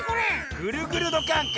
「ぐるぐるどっかん！」か。